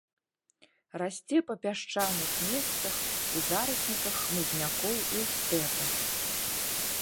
Расце па пясчаных месцах, у зарасніках хмызнякоў і ў стэпах.